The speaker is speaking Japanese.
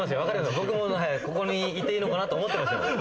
僕もここにいていいのかなって思ってましたよ。